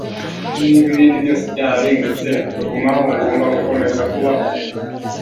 Niba ibindi byose byararimbutse akagumaho, ngomba gukomeza kubaho;